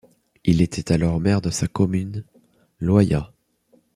Il était alors maire de sa commune, Loyat.